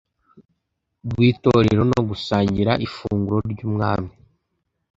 rw Itorero no gusangira ifunguro ry Umwami